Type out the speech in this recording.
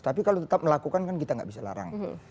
tapi kalau tetap melakukan kan kita nggak bisa larang